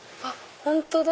本当だ！